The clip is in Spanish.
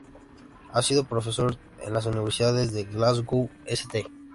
Ha sido profesor en las universidades de Glasgow, St.